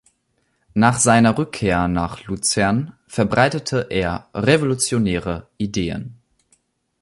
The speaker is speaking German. Nach seiner Rückkehr nach Luzern verbreitete er revolutionäre Ideen.